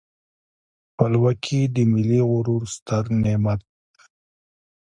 خپلواکي د ملي غرور ستر نعمت دی.